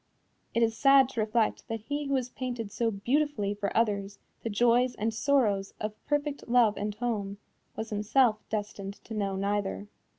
It is sad to reflect that he who has painted so beautifully for others the joys and sorrows of perfect love and home, was himself destined to know neither.